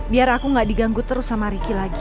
biar aku gak diganggu terus sama riki lagi